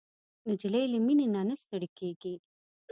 نجلۍ له مینې نه نه ستړېږي.